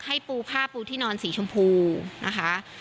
ปูผ้าปูที่นอนสีชมพูนะคะ